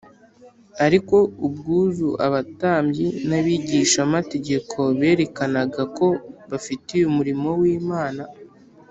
ariko ubwuzu abatambyi n’abigishamategeko berekanaga ko bafitiye umurimo w’imana,